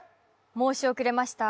申し遅れました